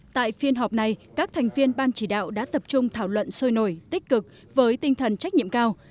tại phiên họp này các thành viên ban chỉ đạo đã tập trung thảo luận sôi nổi tích cực với tinh thần trách nhiệm cao